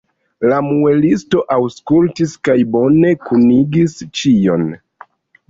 La muelisto aŭskultis kaj bone kunigis ĉion.